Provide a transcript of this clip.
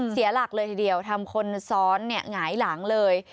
เสียหลักเลยทีเดียวทำคนซ้อนเนี่ยหงายหลังเลย